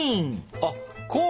あっこう。